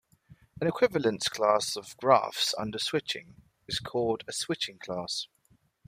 An equivalence class of graphs under switching is called a switching class.